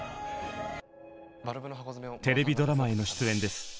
テレビドラマへの出演です。